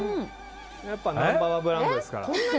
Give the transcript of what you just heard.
やっぱりナンバー１ブランドですから。